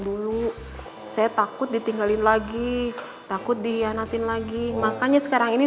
dulu saya takut ditinggalin lagi takut dihianatin lagi makanya sekarang ini